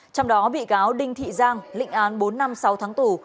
trong đó bị cáo đinh thị giang lịnh án bốn năm sáu tháng tù